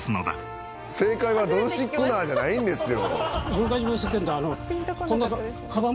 「“正解はドルシックナー”じゃないんですよ」